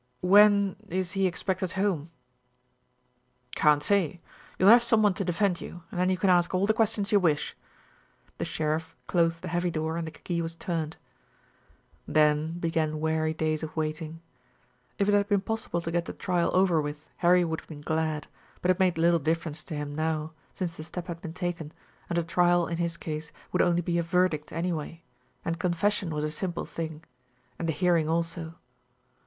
"When is he expected home?" "Can't say. You'll have some one to defend you, and then you can ask all the questions you wish." The sheriff closed the heavy door and the key was turned. Then began weary days of waiting. If it had been possible to get the trial over with, Harry would have been glad, but it made little difference to him now, since the step had been taken, and a trial in his case would only be a verdict, anyway and confession was a simple thing, and the hearing also.